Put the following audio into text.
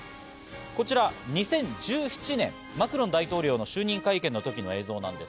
こちら２０１７年マクロン大統領の就任会見の時の映像です。